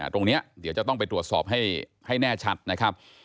เดี๋ยวจะต้องไปตรวจสอบให้แน่ชัดนะครับ